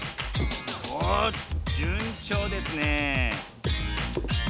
おじゅんちょうですねえ